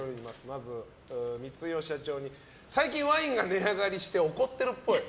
まず光代社長に最近ワインが値上がりして怒ってるっぽい。